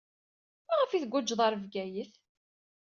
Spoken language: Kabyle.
Maɣef ay tguǧǧed ɣer Bgayet?